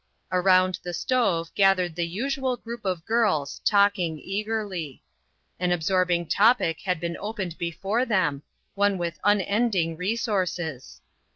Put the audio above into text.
Around the stove gathered the usual group of girls, talking eagerly. An absorbing topic had been opened before them, one with unending resources.